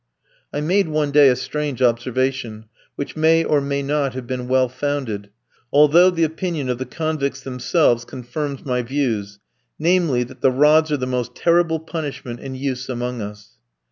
I made one day a strange observation, which may or may not have been well founded, although the opinion of the convicts themselves confirms my views; namely, that the rods are the most terrible punishment in use among us.